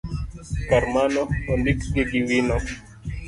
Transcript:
kar mano, ondikgi gi wino.